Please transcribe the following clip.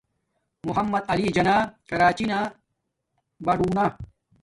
محمد علی جناح کراچی نا ڑونا